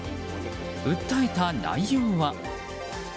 訴えた内容は。